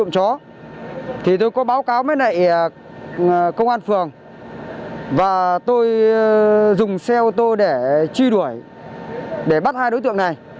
công an phường và tôi dùng xe ô tô để truy đuổi để bắt hai đối tượng này